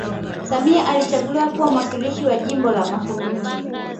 samia alichaguliwa kuwa mwakilishi wa jimbo la makunduchi